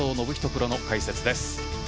プロの解説です。